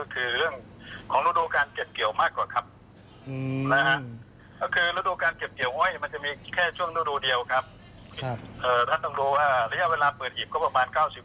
คือเรื่องของร่วมดูกาลที่เกี่ยวมากกว่าครับ